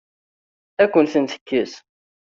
Ad akent-ten-tekkes?